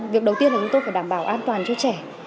việc đầu tiên là chúng tôi phải đảm bảo an toàn cho trẻ